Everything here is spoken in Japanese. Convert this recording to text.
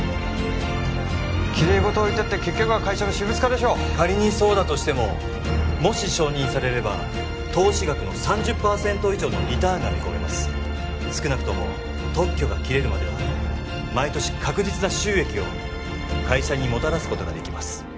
きれい事を言ったって結局は会社の私物化でしょう仮にそうだとしてももし承認されれば投資額の３０パーセント以上のリターンが見込めます少なくとも特許が切れるまでは毎年確実な収益を会社にもたらすことができます